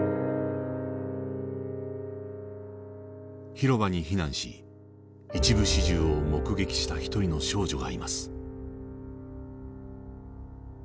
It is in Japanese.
広場に避難し一部始終を目撃した一人の少女がいます。